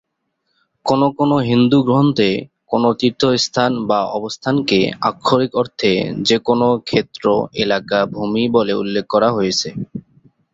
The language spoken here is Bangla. কোনো কোনো হিন্দু গ্রন্থে কোনো তীর্থস্থান বা অবস্থানকে আক্ষরিক অর্থে যে কোনো "ক্ষেত্র, এলাকা, ভূমি" বলে উল্লেখ করা হয়েছে।